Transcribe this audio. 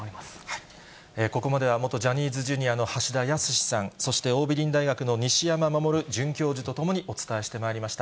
ここまでは、元ジャニーズＪｒ．の橋田康さん、そして桜美林大学の西山守准教授と共にお伝えしてまいりました。